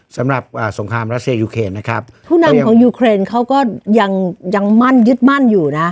สำหรับอ่าสงครามรัสเซียยูเคนนะครับผู้นำของยูเครนเขาก็ยังยังมั่นยึดมั่นอยู่นะ